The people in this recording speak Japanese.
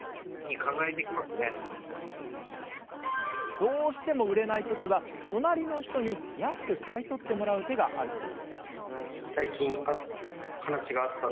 どうしても売れないときは隣の人に安く買い取ってもらう手があるそうです。